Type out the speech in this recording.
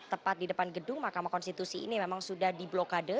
tepat di depan gedung mahkamah konstitusi ini memang sudah diblokade